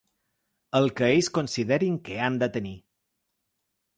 El que ells considerin que han de tenir.